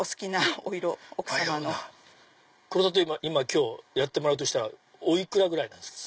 今日やってもらうとしたらお幾らぐらいなんですか？